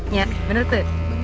iya bener tuh